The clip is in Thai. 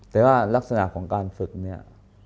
แต่ว่ารักษณะของการฝึกเนี่ย